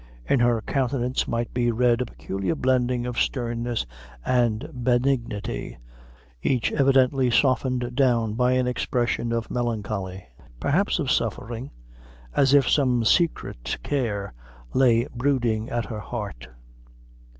In her countenance might be read a peculiar blending of sternness and benignity, each evidently softened down by an expression of melancholy perhaps of suffering as if some secret care lay brooding at her heart.